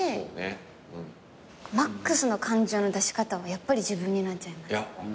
マックスの感情の出し方はやっぱり自分になっちゃいます。